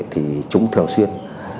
thì chúng thường xuyên